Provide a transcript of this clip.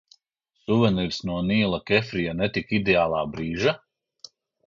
Suvenīrs no Nīla Kefrija ne tik ideālā brīža?